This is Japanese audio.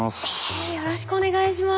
えよろしくお願いします。